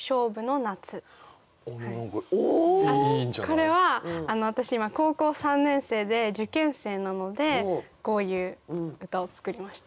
これは私今高校３年生で受験生なのでこういう歌を作りました。